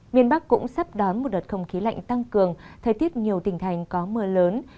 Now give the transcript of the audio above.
miền bắc cũng sắp đón một đợt không khí lạnh tăng cường thời tiết nhiều tỉnh thành có mưa lớn